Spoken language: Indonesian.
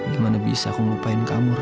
gimana bisa aku melupain kamu